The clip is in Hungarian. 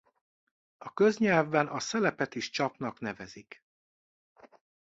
A köznyelvben a szelepet is csapnak nevezik.